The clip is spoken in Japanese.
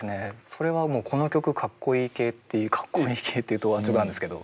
それはもうこの曲かっこいい系っていうかっこいい系って言うと安直なんですけど。